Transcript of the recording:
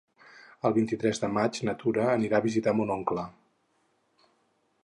El vint-i-tres de maig na Tura anirà a visitar mon oncle.